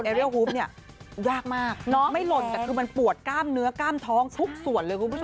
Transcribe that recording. เรียลฮูฟเนี่ยยากมากไม่หล่นแต่คือมันปวดกล้ามเนื้อกล้ามท้องทุกส่วนเลยคุณผู้ชม